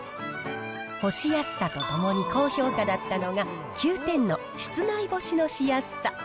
干しやすさとともに高評価だったのが、９点の室内干しのしやすさ。